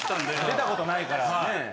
出たことないからねえ。